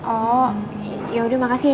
oh yaudah makasih ya